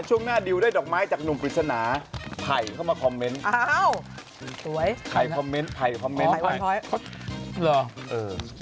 ช่วงหน้าดิวได้ดอกไม้จากหนุ่มปริศนาไผ่เข้ามาคอมเมนต์อ้าวสวยไผ่คอมเมนต์ไผ่คอมเมนต์